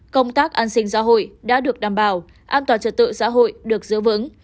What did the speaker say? công tác an sinh xã hội đã được đảm bảo an toàn trật tự xã hội được giữ vững